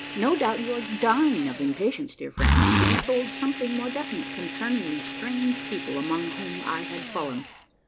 No doubt you are dying of impatience, dear friends, to be told something more definite concerning these strange people among whom I had fallen.